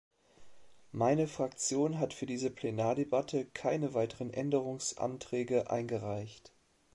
Meine Fraktion hat für diese Plenardebatte keine weiteren Änderungsanträge eingereicht.